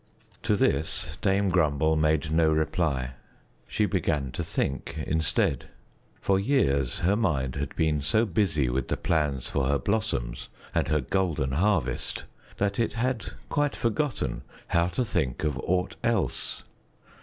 To this Dame Grumble made no reply; she began to think instead. For years her mind had been so busy with the plans for her blossoms and her golden harvest that it had quite forgotten how to think of aught else.